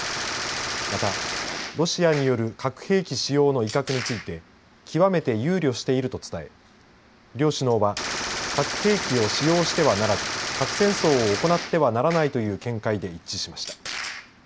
また、ロシアによる核兵器使用の威嚇について極めて憂慮していると伝え両首脳は核兵器を使用してはならず核戦争を行ってはならないという見解で一致しました。